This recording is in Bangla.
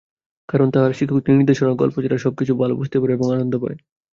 কারণ, তারা শিক্ষকদের নির্দেশনা, গল্প, ছড়া—সবকিছু ভালো বুঝতে পারে এবং আনন্দ পায়।